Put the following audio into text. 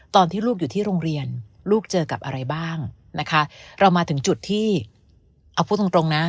ตอนที่ลูกอยู่ที่โรงเรียนลูกเจอกับอะไรบ้างนะคะเรามาถึงจุดที่เอาพูดตรงตรงนะ